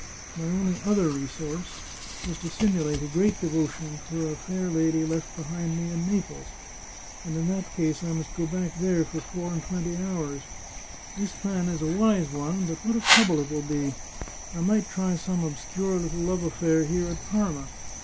My only other resource is to simu late a great devotion for a lady left behind me in Naples, and in that case I must go back there for four and twenty hours. This plan is a wise one, but what a trouble it will be! I might try some obscure little love affair here at Parma.